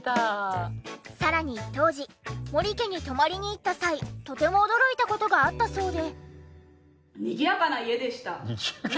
さらに当時森家に泊まりに行った際とても驚いた事があったそうで。